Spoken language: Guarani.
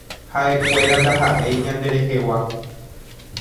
Haʼekuéra ndahaʼéi ñanderehegua.